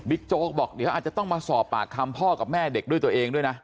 โจ๊กบอกเดี๋ยวอาจจะต้องมาสอบปากคำพ่อกับแม่เด็กด้วยตัวเองด้วยนะ